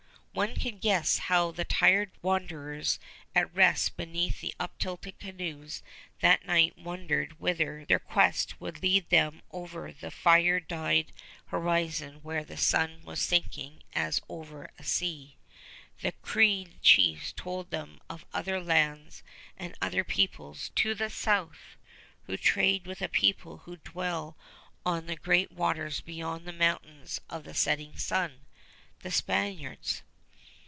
One can guess how the tired wanderers at rest beneath the uptilted canoes that night wondered whither their quest would lead them over the fire dyed horizon where the sun was sinking as over a sea. The Cree chiefs told them of other lands and other peoples to the south, "who trade with a people who dwelt on the great waters beyond the mountains of the setting sun," the Spaniards.